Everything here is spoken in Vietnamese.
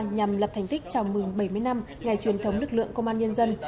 nhằm lập thành tích chào mừng bảy mươi năm ngày truyền thống lực lượng công an nhân dân